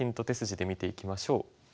手筋で見ていきましょう。